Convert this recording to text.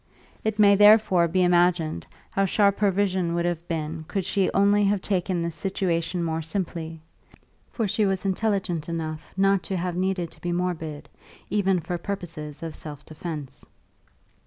It may therefore be imagined how sharp her vision would have been could she only have taken the situation more simply; for she was intelligent enough not to have needed to be morbid, even for purposes of self defence.